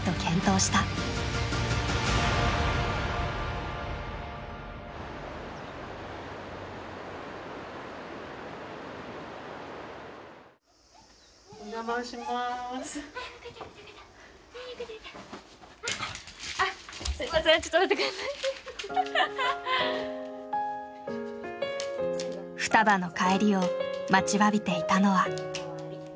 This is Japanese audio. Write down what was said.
ふたばの帰りを待ちわびていたのは。